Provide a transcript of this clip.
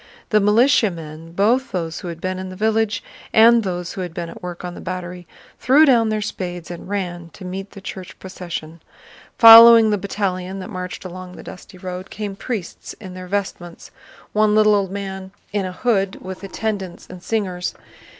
The militiamen, both those who had been in the village and those who had been at work on the battery, threw down their spades and ran to meet the church procession. Following the battalion that marched along the dusty road came priests in their vestments—one little old man in a hood with attendants and singers.